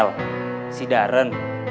kami harus tahu